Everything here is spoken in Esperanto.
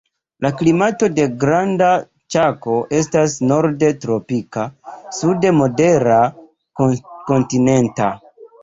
La klimato de Granda Ĉako estas norde tropika, sude modera kontinenta.